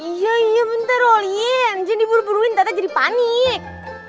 iya bentar olian jangan diburu buruin tata jadi panik